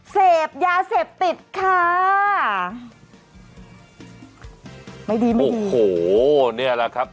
เสพยาเสพติดค่ะไม่ดีมากโอ้โหเนี่ยแหละครับ